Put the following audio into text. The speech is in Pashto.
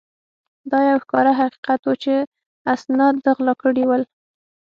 دا یو ښکاره حقیقت وو چې اسناد ده غلا کړي ول.